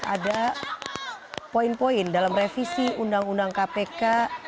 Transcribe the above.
ada poin poin dalam revisi undang undang kpk